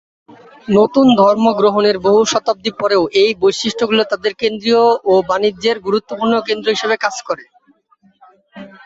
নতুন ধর্ম গ্রহণের বহু শতাব্দী পরেও এই বৈশিষ্ট্যগুলো তাদের সংস্কৃতি ও বাণিজ্যের গুরুত্বপূর্ণ কেন্দ্র হিসেবে কাজ করে।